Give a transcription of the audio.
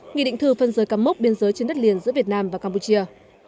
nghị định thư phân rời cắm mốc biên giới trên đất liền giữa việt nam và campuchia